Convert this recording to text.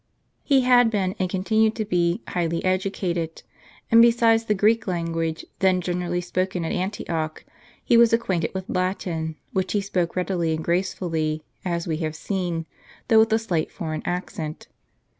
He had been, and continued to be, highly educated; and besides the Greek language, then generally spoken at Antioch, he was acquainted with Latin, which he spoke readily and gracefidly, as we have seen, though with a slight foreign accent.